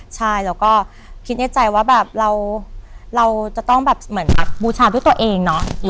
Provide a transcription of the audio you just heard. ใช่แล้วก็คิดในใจว่าแบบเราจะต้องแบบเหมือนแบบบูชาด้วยตัวเองเนาะ